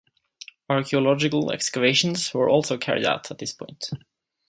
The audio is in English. Archaeological excavations were also carried out at this point.